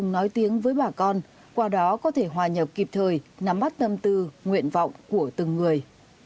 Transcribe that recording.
nói tiếng với bà con qua đó có thể hòa nhập kịp thời nắm bắt tâm tư nguyện vọng của từng người